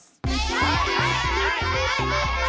はいはいはいはい！